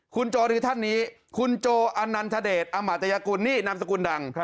คุณโจรือท่านนี้คุณโจอันนันทเดชอมาตยกุลนี่นามสกุลดัง